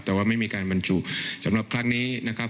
แต่ว่าไม่มีการบรรจุสำหรับครั้งนี้นะครับ